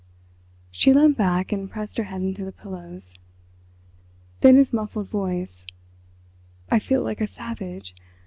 She leant back and pressed her head into the pillows. Then his muffled voice: "I feel like a savage.